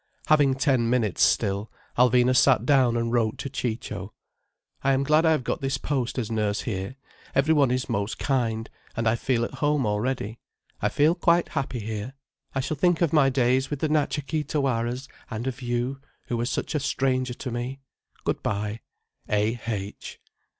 Having ten minutes still, Alvina sat down and wrote to Ciccio: "I am glad I have got this post as nurse here. Every one is most kind, and I feel at home already. I feel quite happy here. I shall think of my days with the Natcha Kee Tawaras, and of you, who were such a stranger to me. Good bye.—A. H."